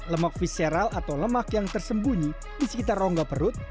kesehatan mineral atau lemak yang tersembunyi di sekitar rongga perut